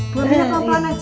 buat minum pelan pelan aja